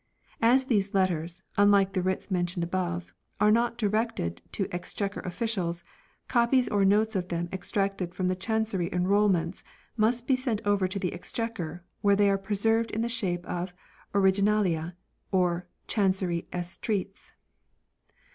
As these letters, unlike the writs mentioned above, are not directed to Exchequer Officials, copies or notes of them extracted from the Chancery Enrol ments must be sent over to the Exchequer; where they are preserved in the shape of "Originalia " or Chancery Estreats.